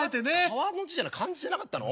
川の字漢字じゃなかったの？